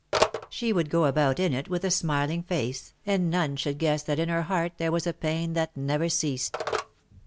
She would go about in it with a smiling face, and none should guess that in her heart there was a pain that never ceased.